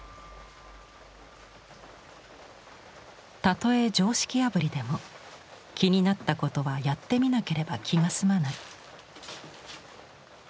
たとえ常識破りでも気になったことはやってみなければ気が済まない。